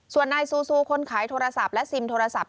ส่วนนายซูซูคนขายโทรศัพท์และซิมโทรศัพท์